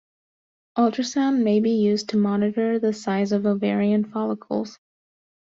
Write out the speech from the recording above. Ultrasound may be used to monitor the size of ovarian follicles.